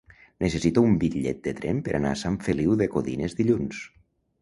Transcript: Necessito un bitllet de tren per anar a Sant Feliu de Codines dilluns.